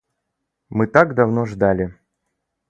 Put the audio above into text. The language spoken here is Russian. Мы так давно ждали.